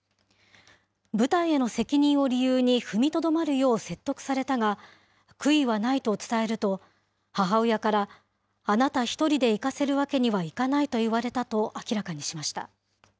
舞台への責任を理由に踏みとどまるよう説得されたが悔いはないと伝えると、母親からあなた１人で逝かせるわけにはいかないと言われたと明らかにしました。